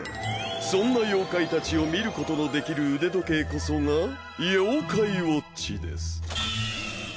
そんな妖怪たちを見ることのできる腕時計こそが妖怪ウォッチです。